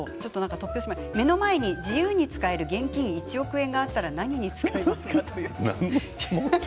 目の前に自由に使える現金１億円があったら何に使いますか？と。